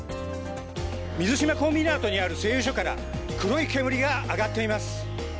水島コンビナートにある製油所から黒い煙が上がっています。